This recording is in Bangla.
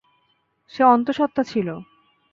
সে অন্তঃসত্ত্বা ছিল।